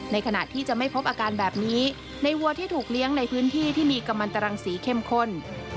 ขณะที่จะไม่พบอาการแบบนี้ในวัวที่ถูกเลี้ยงในพื้นที่ที่มีกำลังตรังสีเข้มข้น